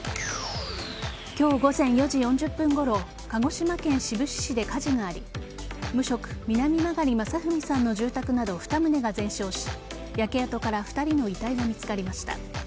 今日午前４時４０分ごろ鹿児島県志布志市で火事があり無職・南曲政文さんの住宅など２棟が全焼し焼け跡から２人の遺体が見つかりました。